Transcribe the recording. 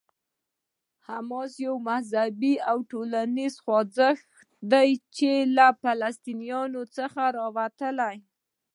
حماس یو مذهبي او ټولنیز خوځښت دی چې له فلسطین څخه راوتلی.